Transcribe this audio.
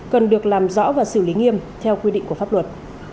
cần được làm rõ và xử lý nghiêm theo quy định của pháp luật